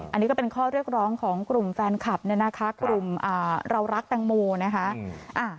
อันนี้ก็เป็นข้อเรียกร้องของกลุ่มแฟนคลับเนี่ยนะคะกลุ่มเรารักแตงโมนะคะ